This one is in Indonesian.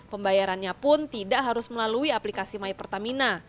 pembayarannya pun tidak harus melalui aplikasi my pertamina